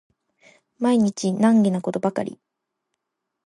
毎日難儀なことばかり